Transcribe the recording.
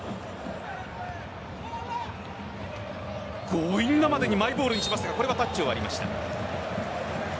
強引なまでにマイボールにしますがこれはタッチを割りました。